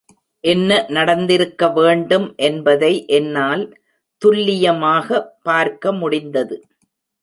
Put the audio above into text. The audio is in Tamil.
என்ன நடந்திருக்க வேண்டும் என்பதை என்னால் துல்லியமாக பார்க்க முடிந்தது.